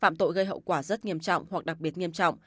phạm tội gây hậu quả rất nghiêm trọng hoặc đặc biệt nghiêm trọng